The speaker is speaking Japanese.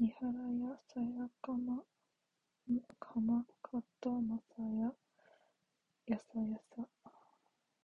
にはらやさやかまかまかたまやさやさやさ